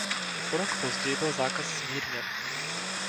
O rok později byl zákaz zmírněn.